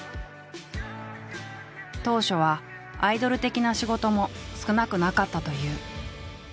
当初はアイドル的な仕事も少なくなかったという。